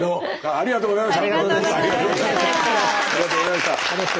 ありがとうございます。